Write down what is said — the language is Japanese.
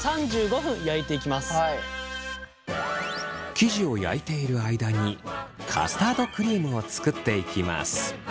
生地を焼いている間にカスタードクリームを作っていきます。